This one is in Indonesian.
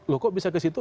loh kok bisa ke situ